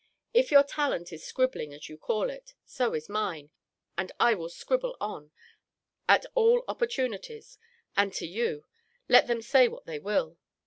If your talent is scribbling, as you call it; so is mine and I will scribble on, at all opportunities; and to you; let them say what they will.